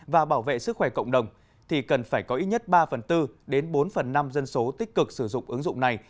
và bảo vệ sức khỏe cộng đồng thì cần phải có ít nhất ba phần tư đến bốn phần năm dân số tích cực sử dụng ứng dụng này